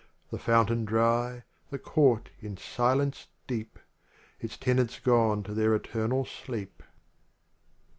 The fountain dry t the court in silence deep, Its tenants gone to their eternal sleep.